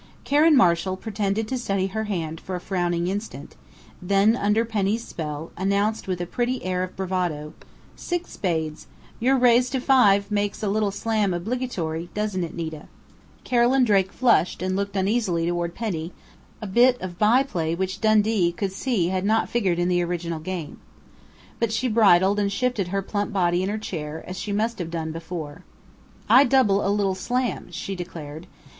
Karen Marshall pretended to study her hand for a frowning instant, then, under Penny's spell, announced with a pretty air of bravado: "Six spades!... Your raise to five makes a little slam obligatory, doesn't it, Nita?" Carolyn Drake flushed and looked uneasily toward Penny, a bit of by play which Dundee could see had not figured in the original game. But she bridled and shifted her plump body in her chair, as she must have done before. "I double a little slam!" she declared.